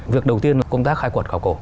việc đầu tiên công tác khai quật khảo cổ